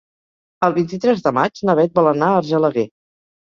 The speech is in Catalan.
El vint-i-tres de maig na Beth vol anar a Argelaguer.